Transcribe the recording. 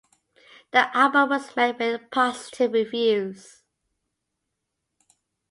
The album was met with positive reviews.